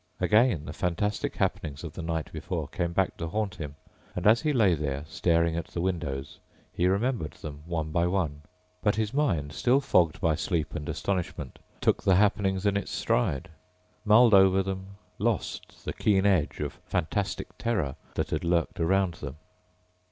Again the fantastic happenings of the night before came back to haunt him and as he lay there, staring at the windows, he remembered them, one by one. But his mind, still fogged by sleep and astonishment, took the happenings in its stride, mulled over them, lost the keen edge of fantastic terror that lurked around them.